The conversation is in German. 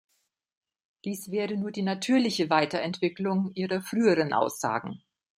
Dies wäre nur die natürliche Weiterentwicklung Ihrer früheren Aussagen.